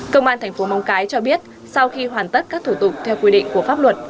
công an thành phố móng cái cho biết sau khi hoàn tất các thủ tục theo quy định của pháp luật